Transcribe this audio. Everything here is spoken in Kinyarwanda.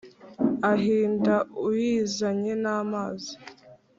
Ahinda uyizanye n'amazi;